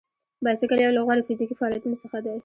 بایسکل یو له غوره فزیکي فعالیتونو څخه دی.